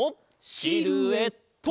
シルエット！